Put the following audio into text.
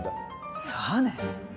さあね。